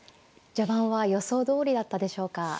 序盤は予想どおりだったでしょうか。